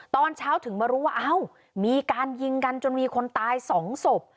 ตอนเช้าถึงมารู้ว่าเอ้ามีการยิงกันจนมีคนตาย๒ศพ